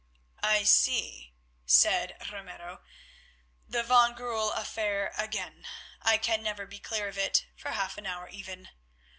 "I see," said Ramiro, "the van Goorl affair again. I can never be clear of it for half an hour even.